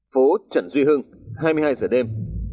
phố trần duy hưng hai mươi hai h đêm